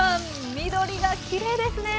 緑がきれいですね。